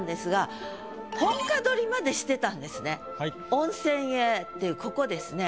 「温泉へ」っていうここですね。